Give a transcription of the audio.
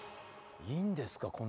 いいんですか？